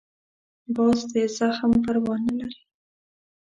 باز د زخم پروا نه لري